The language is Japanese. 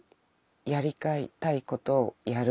やりたいことをやる。